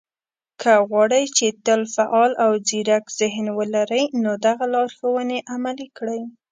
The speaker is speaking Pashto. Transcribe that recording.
که غواړئ، چې تل فعال او ځيرک ذهن ولرئ، نو دغه لارښوونې عملي کړئ